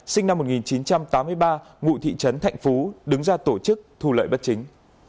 sinh năm một nghìn chín trăm tám mươi ba ngụ thị trấn thạnh phú đứng ra tổ chức thu lợi bất chính